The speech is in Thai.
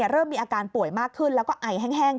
เริ่มมีอาการป่วยมากขึ้นแล้วก็ไอแห้ง